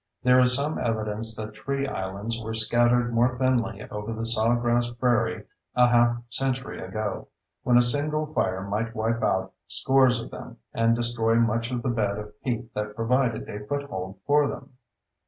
There is some evidence that tree islands were scattered more thinly over the sawgrass prairie a half century ago, when a single fire might wipe out scores of them and destroy much of the bed of peat that provided a foothold for them.